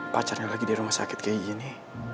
pacarnya lagi di rumah sakit kayak gini